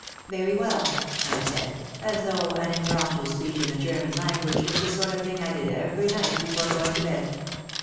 Very well," I said, as though an impromptu speech in the German language was the sort of thing I did every night before going to bed.